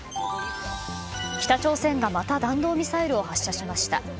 北朝鮮がまた弾道ミサイルを発射しました。